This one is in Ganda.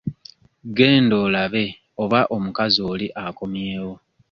Genda olabe oba omukazi oli akomyewo.